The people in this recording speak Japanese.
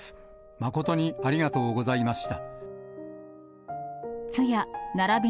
誠にありがとうございました。